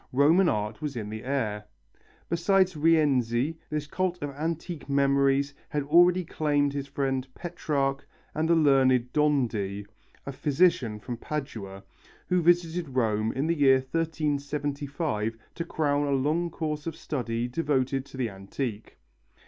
Roman art was in the air. Besides Rienzi, this cult of antique memories had already claimed his friend Petrarch and the learned Dondi, a physician from Padua, who visited Rome in the year 1375 to crown a long course of study devoted to the antique.